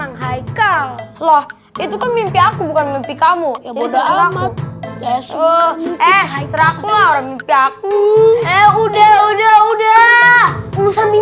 gila ini udah malem